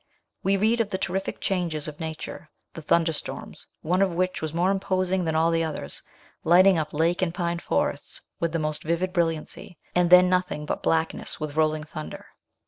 We read of the terrific changes of nature, the thunderstorms, one of which was more imposing than all the others, lighting up lake and pine forests with the most vivid brilliancy, and then nothing but blackness with rolling thunder.